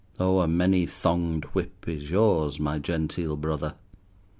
Oh, a many thonged whip is yours, my genteel brother.